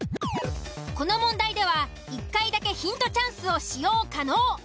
この問題では１回だけヒントチャンスを使用可能。